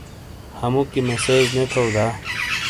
ہموکی مسیج نے تھؤ دا؟